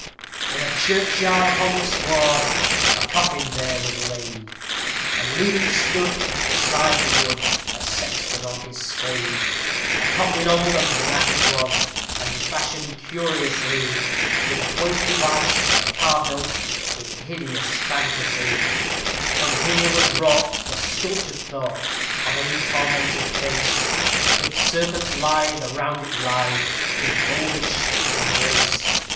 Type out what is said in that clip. In a churchyard, upon the sward, a coffin there was laid, And leaning stood, beside the wood, a sexton on his spade. A coffin old and black it was, and fashioned curiously, With quaint device of carved oak, in hideous fantasie. For here was wrought the sculptured thought of a tormented face, With serpents lithe that round it writhe, in folded strict embrace.